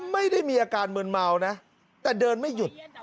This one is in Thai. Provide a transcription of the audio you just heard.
ไม่ได้มีอาการมืนเมานะแต่เดินไม่หยุด